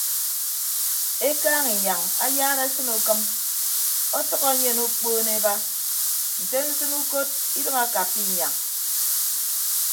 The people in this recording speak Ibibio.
Ekaaña inyañ ayara esịne ukịm ọtʌk enyen okpoon eba nte nsịn ukot idịm akappa inyañ.